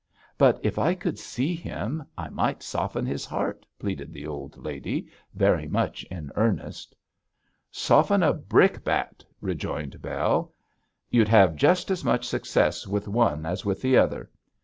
'But if I could see him I might soften his heart,' pleaded the old lady, very much in earnest. 'Soften a brick bat,' rejoined Bell; 'you'd have just as much success with one as with the other.